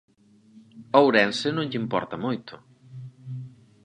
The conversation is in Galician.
Ourense non lle importa moito.